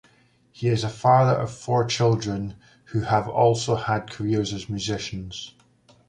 He is the father of four children, who have also had careers as musicians.